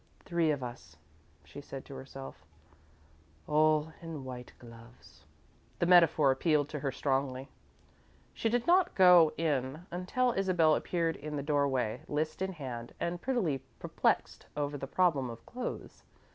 "Three of us," she said to herself, "all in white gloves." The metaphor appealed to her strongly. She did not go in until Isabel appeared in the doorway, list in hand, and prettily perplexed over the problem of clothes.